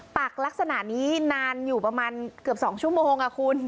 ปักลักษณะนี้นานอยู่ประมาณเกือบ๒ชั่วโมงคุณ